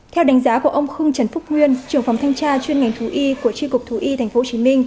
theo đánh giá của ông khương trần phúc nguyên trưởng phòng thanh tra chuyên ngành thú y của tri cục thú y tp hcm